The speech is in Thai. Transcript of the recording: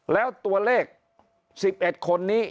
แล้วตัวเลข๑๑คนนี้